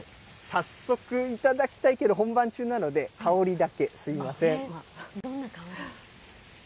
早速、頂きたいけど、本番中なので、香りだけ、すみません。